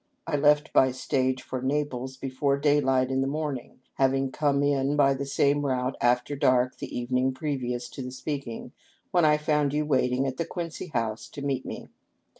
I left by stage for Naples before daylight in the morning, having come in by the same route after dark the evening previous to the speaking, when I found you waiting at the Quincy House to meet me.